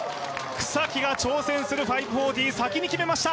草木が挑戦する５４０、先に決めてきました。